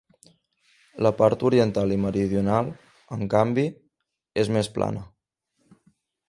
La part oriental i meridional, en canvi, és més plana.